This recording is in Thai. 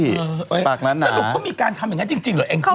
สรุปเขามีการทำอย่างนั้นจริงเหรอแองจี้